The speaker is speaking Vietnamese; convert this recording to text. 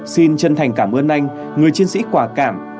xin chân thành cảm ơn anh người chiến sĩ quả cảm